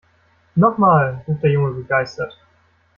Noch mal!, ruft der Junge begeistert.